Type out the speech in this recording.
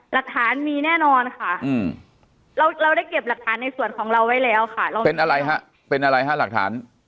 หลักฐานมีแน่นอนค่ะเราได้เก็บหลักฐานในส่วนของเราไว้แล้วค่ะ